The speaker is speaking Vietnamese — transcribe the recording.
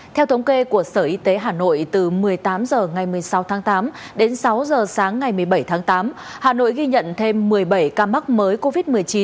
theo thống kê của sở y tế hà nội từ một mươi tám h ngày một mươi sáu tháng tám đến sáu h sáng ngày một mươi bảy tháng tám hà nội ghi nhận thêm một mươi bảy ca mắc mới covid một mươi chín